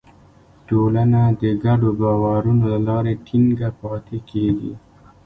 ټولنه د ګډو باورونو له لارې ټینګه پاتې کېږي.